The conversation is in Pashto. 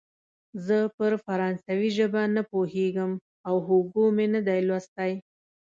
زه پر فرانسوي ژبه نه پوهېږم او هوګو مې نه دی لوستی.